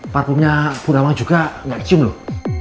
parfumnya bu nawang juga gak izin loh